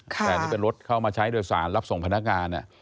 แต่นี่เป็นรถเข้ามาใช้โดยสารรับส่งพนักงาน